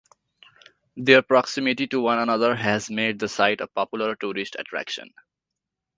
Their proximity to one another has made the site a popular tourist attraction.